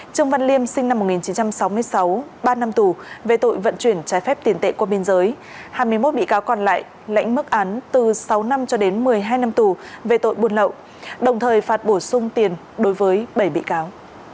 trương văn liêm sinh năm một nghìn chín trăm sáu mươi sáu ba năm tù về tội vận chuyển trái phép tiền tệ qua biên giới hai mươi một bị cáo còn lại lãnh mức án từ sáu năm cho đến một mươi hai năm tù về tội buôn lậu đồng thời phạt bổ sung tiền đối với bảy bị cáo